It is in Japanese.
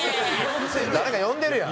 誰か呼んでるやん。